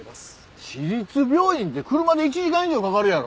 市立病院って車で１時間以上かかるやろ。